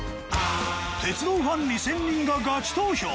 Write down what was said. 『鉄道ファン２０００人がガチ投票！